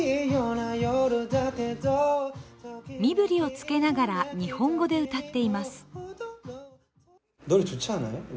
身振りをつけながら日本語で歌っています。